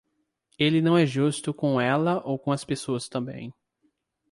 Ele não é justo com ela ou com as pessoas também.